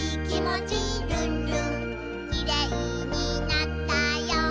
「きれいになったよ